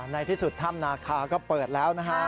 ในที่สุดถ้ำนาคาก็เปิดแล้วนะฮะ